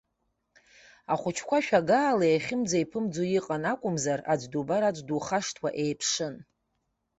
Ахәыҷқәа шәагаала еихьымӡа-еиԥымӡо иҟан акәымзар, аӡә дубар аӡә духашҭуа еиԥшын.